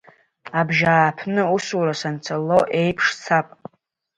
Абжьааԥны усура санцало еиԥш сцап.